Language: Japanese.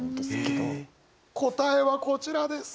答えはこちらです！